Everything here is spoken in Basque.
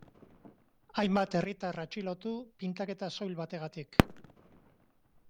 Hainbat herritar atxilotu pintaketa soil bategatik.